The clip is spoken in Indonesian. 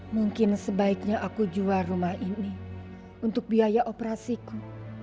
mungkin sebaiknya aku jual rumah ini untuk biaya operasiku